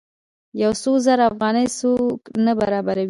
یو څو زره افغانۍ څوک نه برابروي.